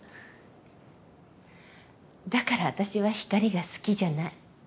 だから私は光が好きじゃない。